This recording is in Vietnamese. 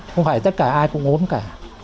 không phải tất cả ai cũng ốm cả